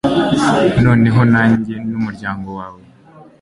noneho nanjye n'umuryango wawe